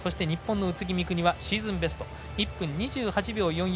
宇津木美都、シーズンベスト１分２８秒４４。